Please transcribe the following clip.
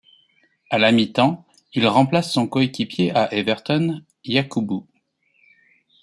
À la mi-temps, il remplace son coéquipier à Everton, Yakubu.